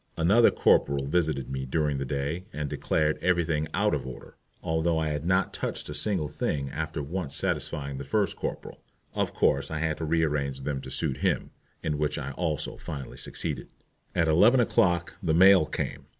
Another corporal visited me during the day and declared everything out of order, although I had not touched a single thing after once satisfying the first corporal. Of course I had to rearrange them to suit him, in which I also finally succeeded. At eleven o'clock the mail came.